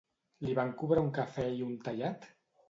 Li van cobrar un cafè i un tallat?